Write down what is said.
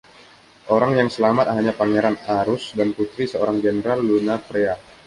Orang yang selamat hanya Pangeran Arus dan putri seorang jenderal, Lunafrea.